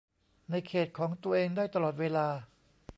ในเขตของตัวเองได้ตลอดเวลา